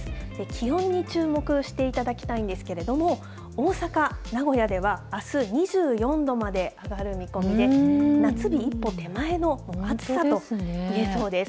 気温に注目していただきたいんですけれども、大阪、名古屋では、あす２４度まで上がる見込みで、夏日一歩手前の暑さといえそうです。